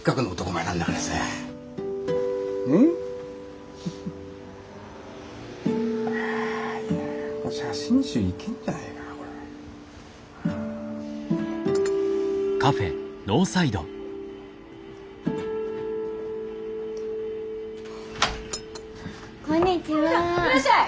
いらっしゃい。